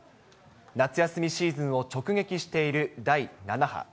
夏休みシーズンを直撃している第７波。